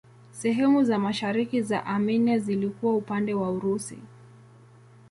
Sehemu za mashariki za Armenia zilikuwa upande wa Urusi.